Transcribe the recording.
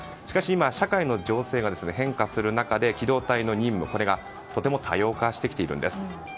しかし、今、社会の情勢が変化する中で機動隊の任務がとても多様化してきているんです。